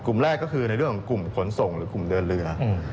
กลุ่มแรกก็คือในเรื่องของกลุ่มขนส่งหรือกลุ่มเดินเรือ